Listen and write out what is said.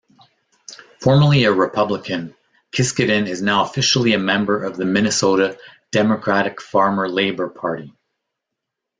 Formerly a Republican, Kiscaden is now officially a member of the Minnesota Democratic-Farmer-Labor Party.